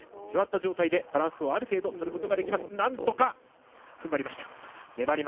座った状態でバランスをある程度とることができます。